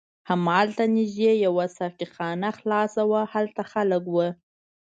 هملته نږدې یوه ساقي خانه خلاصه وه، هلته خلک و.